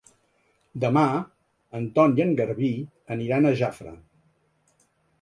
Demà en Ton i en Garbí aniran a Jafre.